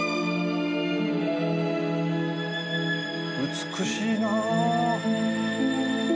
美しいな。